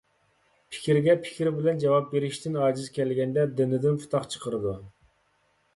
پىكىرگە پىكىر بىلەن جاۋاب بېرىشتىن ئاجىز كەلگەندە دىنىدىن پۇتاق چىقىرىدۇ.